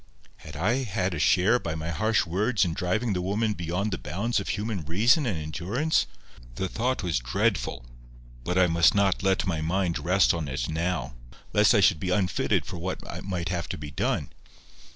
Had I had a share, by my harsh words, in driving the woman beyond the bounds of human reason and endurance? The thought was dreadful. But I must not let my mind rest on it now, lest I should be unfitted for what might have to be done.